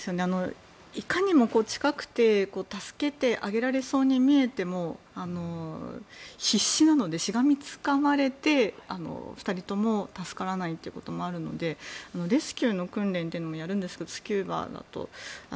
いかにも近くて助けてあげられそうに見えても必死なのでしがみつかまれて２人とも助からないということもあるのでレスキューの訓練というのもやるんですけどスキューバだと。